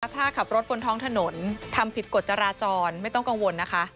ถ้าขับรถบนท้องถนนทำผิดกฎจราจรไม่ต้องกังวลนะคะ